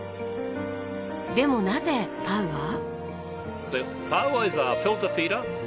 でもなぜパウア？